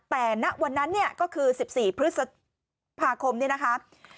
แต่ณวันนั้นเนี่ยก็คือ๑๔พฤษภาคมเนี่ยนะคะ